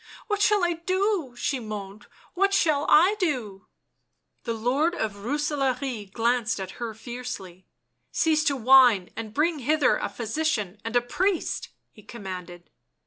u What shall I do !" she moaned. " What shall I do!" The Lord of Rooselaare glanced at her fiercely. " Cease to whine and bring hither a physician and a priest," he commanded.